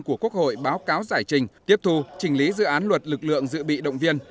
của quốc hội báo cáo giải trình tiếp thu trình lý dự án luật lực lượng dự bị động viên